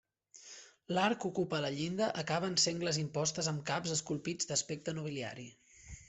L'arc que ocupa la llinda acaba en sengles impostes amb caps esculpits d'aspecte nobiliari.